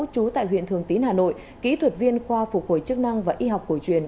trú tại huyện thường tín hà nội kỹ thuật viên khoa phục hồi chức năng và y học cổ truyền